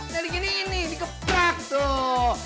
dari gini ini dikeprak tuh